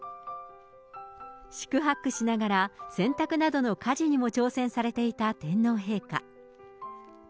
四苦八苦しながら、洗濯などの家事にも挑戦されていた天皇陛下。